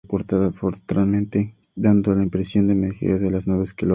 Aparece acortado frontalmente, dando la impresión de emerger de las nubes que lo rodean.